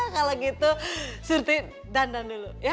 kalau gitu surti dandan dulu